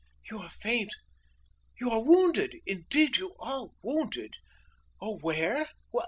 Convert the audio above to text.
"You are faint! You are wounded! Indeed you are wounded! Oh, where!